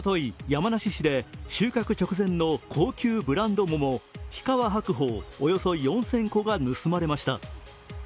山梨市で収穫直前の高級ブランド桃、日川白鳳およそ４０００個が盗まれました。